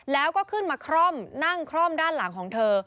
แล้วก็ขึ้นมาคร่อมนั่งคร่อมด้านหลังของเธอ